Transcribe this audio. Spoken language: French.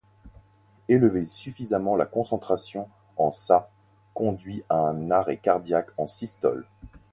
Élever suffisamment la concentration en Ca conduit à un arrêt cardiaque en systole.